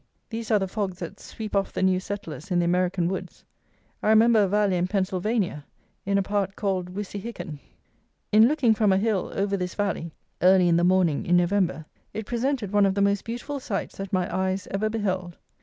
These are the fogs that sweep off the new settlers in the American Woods. I remember a valley in Pennsylvania, in a part called Wysihicken. In looking from a hill, over this valley, early in the morning, in November, it presented one of the most beautiful sights that my eyes ever beheld.